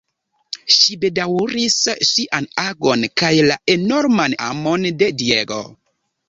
Ŝi bedaŭris sian agon kaj la enorman amon de Diego.